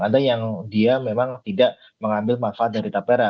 ada yang dia memang tidak mengambil manfaat dari tapera